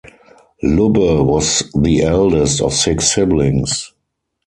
Lubbe was the eldest of six siblings.